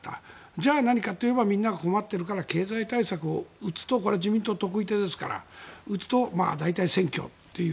じゃあ何かといえばみんなが困っているから経済対策を打つと自民党の得意手ですから打つと大体、選挙という。